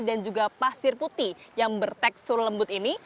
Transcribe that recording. dan juga pasir putih yang bertekstur lembut ini